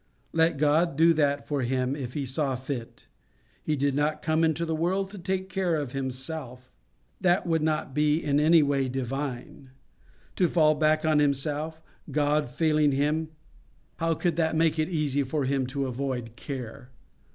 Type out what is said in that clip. Let God do that for Him if He saw fit. He did not come into the world to take care of Himself. That would not be in any way divine. To fall back on Himself, God failing Him—how could that make it easy for Him to avoid care?